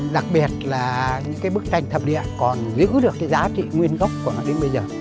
đặc biệt là những cái bức tranh thập địa còn giữ được cái giá trị nguyên gốc của nó đến bây giờ